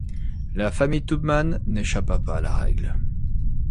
La famille Tubman n’échappa pas à la règle.